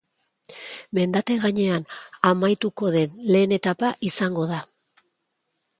Mendate gainean amaituko den lehen etapa izango da.